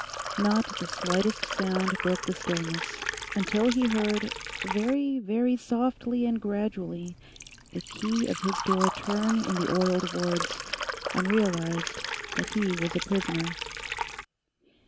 Not the slightest sound broke the stillness, until he heard, very, very softly and gradually, the key of his door turn in the oiled wards, and realized that he was a prisoner.